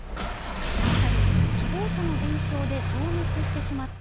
この２人、希望者の減少で消滅してしまった、